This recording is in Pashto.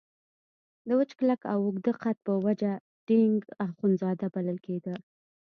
د وچ کلک او اوږده قد په وجه ډینګ اخندزاده بلل کېده.